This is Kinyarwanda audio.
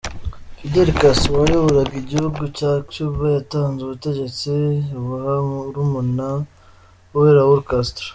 Fidel Castro wayoboraga igihugu cya Cuba yatanze ubutegetsi abuha murumuna we Raul Castro.